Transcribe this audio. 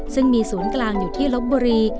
ซึ่งมีศูนย์กลางอยู่ที่ลบบุรี